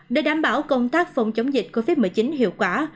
để đảm bảo công tác phòng chống dịch covid một mươi chín hiệu quả